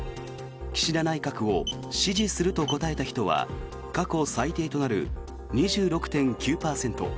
岸田内閣を支持すると答えた人は過去最低となる２６．９％。